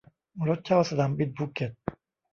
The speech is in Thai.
รถเช่าสนามบินภูเก็ต